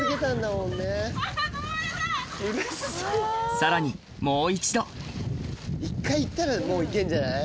さらにもう一度１回行ったらもう行けんじゃない？